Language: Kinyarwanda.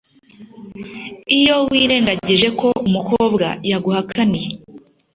iyo wirengagije ko umukobwa yaguhakaniye